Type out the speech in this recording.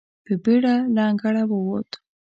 په بېړه له انګړه ووت.